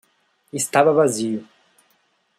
Estava vazio.